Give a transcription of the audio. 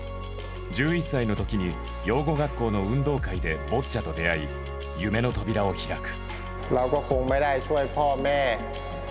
１１歳のときに養護学校の運動会でボッチャと出会い、夢の扉を開く。